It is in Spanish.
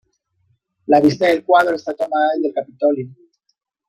La vista del cuadro está tomada desde el Capitolio.